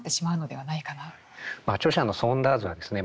まあ著者のソーンダーズはですね